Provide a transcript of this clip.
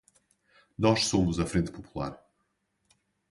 Nós somos a Frente Popular!